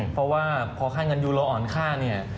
เพราะว่าพอค่าเงินยูเราอ่อนค่าเนี่ย